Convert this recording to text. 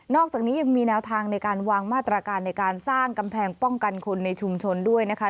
อกจากนี้ยังมีแนวทางในการวางมาตรการในการสร้างกำแพงป้องกันคนในชุมชนด้วยนะคะ